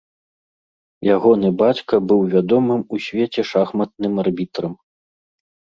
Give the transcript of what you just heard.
Ягоны бацька быў вядомым у свеце шахматным арбітрам.